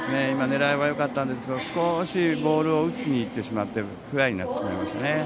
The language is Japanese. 狙いはよかったんですけど少しボールを打ちに行ってしまってフライになってしまいましたね。